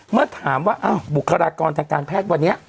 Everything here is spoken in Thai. เมื่อถามว่าบุคลากรทางการแพทย์วันนี้